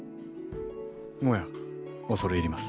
おや恐れ入ります。ます。